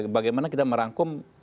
bagaimana kita merangkum